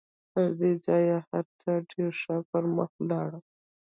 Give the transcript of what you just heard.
تر دې ځایه هر څه ډېر ښه پر مخ ولاړل